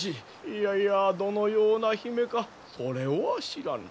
いやいやどのような姫かそれは知らぬ。